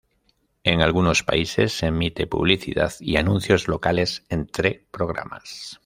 En algunos países, se emite publicidad y anuncios locales entre programas.